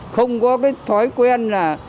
không có cái thói quen là